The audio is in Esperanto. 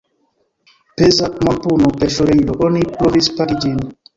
Peza monpuno – per ŝovelilo oni provis pagi ĝin.